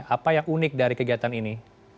apa yang unik dari kegiatan ini